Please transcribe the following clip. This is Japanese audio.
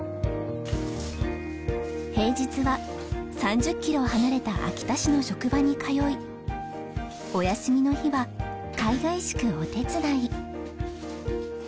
平日は３０キロ離れた秋田市の職場に通いお休みの日はかいがいしくお手伝い。